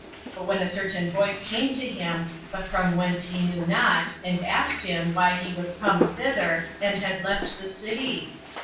But when a certain voice came to him, but from whence he knew not, and asked him, why he was come thither, and had left the city?